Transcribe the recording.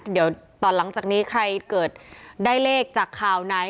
เดี๋ยวตอนหลังจากนี้ใครเกิดได้เลขจากข่าวไหน